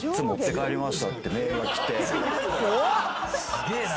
「すげえな」